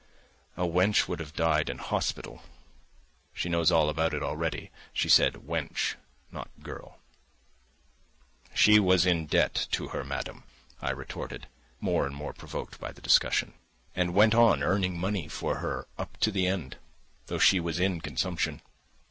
"A wench would have died in hospital ..." (She knows all about it already: she said "wench," not "girl.") "She was in debt to her madam," I retorted, more and more provoked by the discussion; "and went on earning money for her up to the end, though she was in consumption.